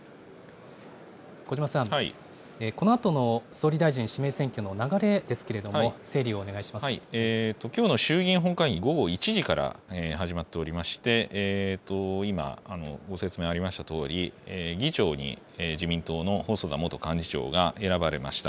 小嶋さん、このあとの総理大臣指名選挙の流れですけれども、整理をお願いしきょうの衆議院本会議、午後１時から始まっておりまして、今、ご説明ありましたとおり、議長に自民党の細田元幹事長が選ばれました。